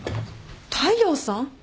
大陽さん！？